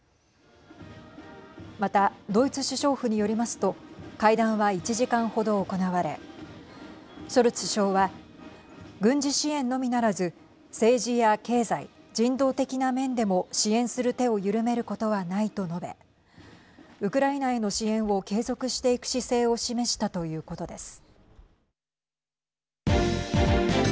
また、ドイツ首相府によりますと会談は１時間程、行われショルツ首相は軍事支援のみならず政治や経済、人道的な面でも支援する手を緩めることはないと述べウクライナへの支援を継続していく姿勢を示したということです。